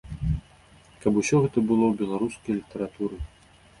Каб усё гэта было ў беларускай літаратуры!